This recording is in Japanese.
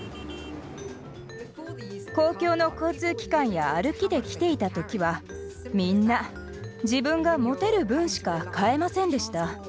公共の交通機関や歩きで来ていた時はみんな自分が持てる分しか買えませんでした。